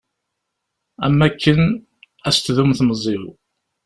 Am akken ad s-tdum temẓi-w.